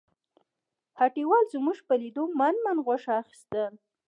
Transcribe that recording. هټیوال زموږ په لیدو من من غوښه اخیستل.